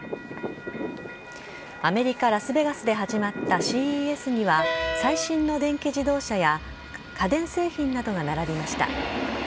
アメリカ・ラスベガスで始まったＣＥＳには最新の電気自動車や家電製品などが並びました。